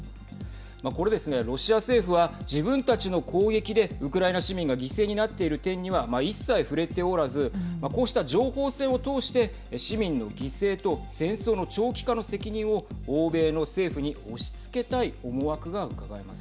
これですね、ロシア政府は自分たちの攻撃でウクライナ市民が犠牲になっている点には一切触れておらずこうした情報戦を通して市民の犠牲と戦争の長期化の責任を欧米の政府に押しつけたい思惑がうかがえます。